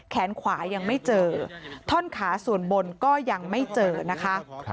แขนขวายังไม่เจอท่อนขาส่วนบนก็ยังไม่เจอนะคะ